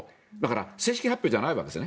正式発表じゃないわけですね。